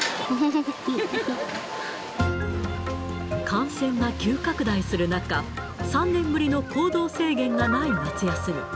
感染が急拡大する中、３年ぶりの行動制限がない夏休み。